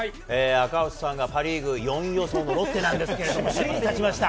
赤星さんがパ・リーグ４位予想のロッテなんですけど首位に立ちました。